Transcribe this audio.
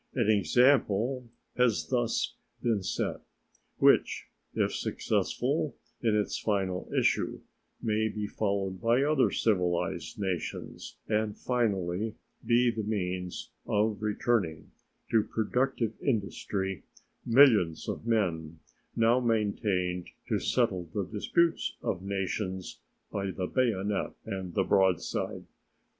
An example has thus been set which, if successful in its final issue, may be followed by other civilized nations, and finally be the means of returning to productive industry millions of men now maintained to settle the disputes of nations by the bayonet and the broadside.